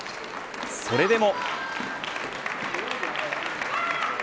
それでも。